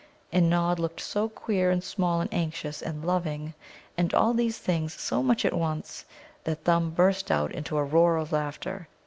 And Nod looked so queer, and small, and anxious, and loving, and all these things so much at once, that Thumb burst out into a roar of laughter.